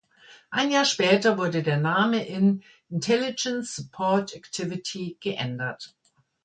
Ein Jahr später wurde der Name in "Intelligence Support Activity" geändert.